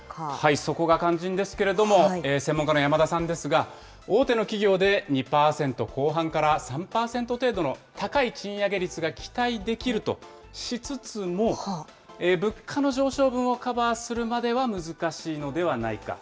そこが肝心ですけれども、専門家の山田さんですが、大手の企業で２％後半から３％程度の高い賃上げ率が期待できるとしつつも、物価の上昇分をカバーするまでは難しいのではないか。